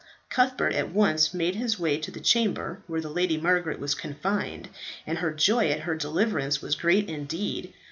Cuthbert at once made his way to the chamber where the Lady Margaret was confined, and her joy at her deliverance was great indeed.